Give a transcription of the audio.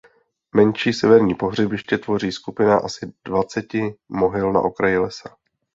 Menší severní pohřebiště tvoří skupina asi dvaceti mohyl na okraji lesa.